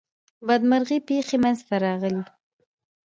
بدمرغي پیښی منځته راغلې.